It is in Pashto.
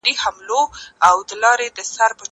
زه پرون کالي وچوم وم؟!